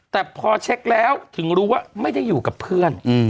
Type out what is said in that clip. แต่พอเช็คแล้วถึงรู้ว่าไม่ได้อยู่กับเพื่อน